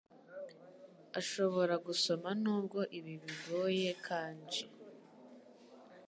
Ashobora gusoma nubwo ibi bigoye kanji.